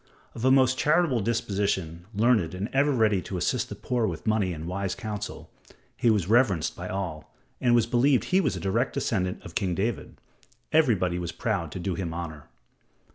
Of a most charitable disposition, learned and ever ready to assist the poor with money and wise counsel, he was reverenced by all, and it was believed he was a direct descendant of King David. Everybody was proud to do him honor.